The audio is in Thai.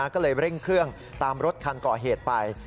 ก็เลยเร่งเครื่องตามรถคันก่อเหตุไป